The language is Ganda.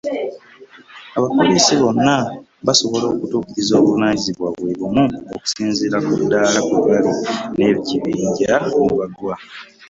Abapoliisi bonna basobola okutuukiriza obuvunanyizibwa bwebumu okusinziira ku daala kwebali n’ekibinja mwebagwa.